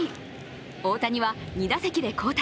大谷は２打席で交代。